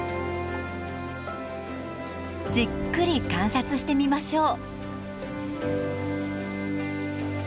じっくり観察してみましょう。